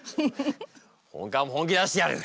本官も本気出してやる！